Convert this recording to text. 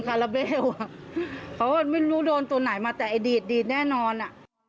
เขาบอกว่าไม่รู้โดนตัวไหนมาแต่ไอ้ดีดดีดแน่นอน